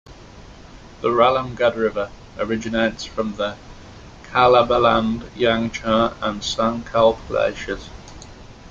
The Ralam Gad River originates from the Kalabaland, Yangchar and Sankalp glaciers.